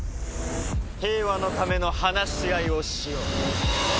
平和のための話し合いをしよう。